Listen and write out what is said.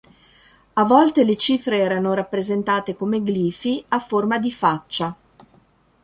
A volte le cifre erano rappresentate come glifi a forma di faccia.